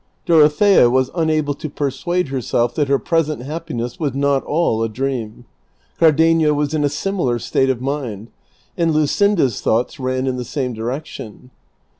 Dorothea was unable to persuade herself that her present happiness was not all a dream ; Cardenio was in a similar state of mind, and Luscinda's thoughts ran in the same, direction.